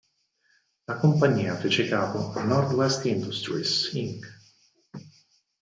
La compagnia fece capo a Northwest Industries, Inc.